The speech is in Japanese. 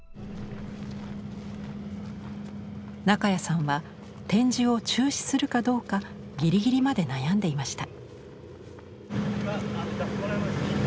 中谷さんは展示を中止するかどうかギリギリまで悩んでいました。